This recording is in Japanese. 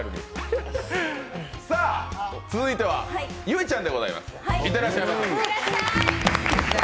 さぁ、続いては結実ちゃんでございます。